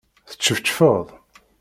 Teččefčfeḍ?